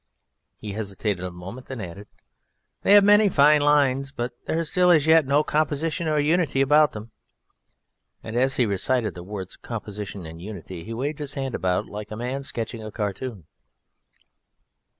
He hesitated a moment, then added: "They have many fine single lines, but there is as yet no composition or unity about them." And as he recited the words "composition" and "unity" he waved his hand about like a man sketching a cartoon.